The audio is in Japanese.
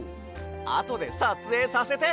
あとでさつえいさせて！